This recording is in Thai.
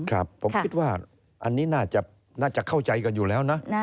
ครับผมคิดว่าอันนี้น่าจะเข้าใจกันอยู่แล้วนะ